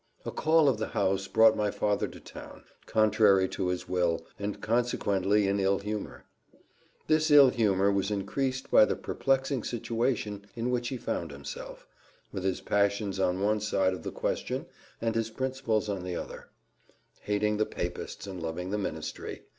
A call of the house brought my father to town, contrary to his will, and consequently in ill humour. This ill humour was increased by the perplexing situation in which he found himself, with his passions on one side of the question and his principles on the other: hating the papists, and loving the ministry.